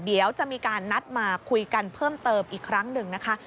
เดี๋ยวจะมีการนัดมาคุยกันเพิ่มเติมอีกครั้งหนึ่งนะคะ